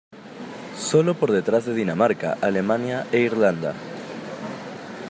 Sólo por detrás de Dinamarca, Alemania e Irlanda.